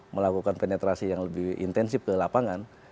melakukan penetrasi yang lebih intensif ke lapangan